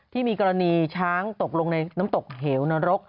ที่มีกรณีช้างตกลงในน้ำตกเหวนรก